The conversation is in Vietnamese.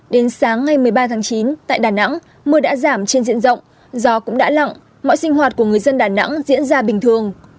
đến sáng ngày một mươi ba tháng chín tại đà nẵng mưa đã giảm trên diện rộng do cũng đã lặng mọi sinh hoạt của người dân đà nẵng diễn ra bình thường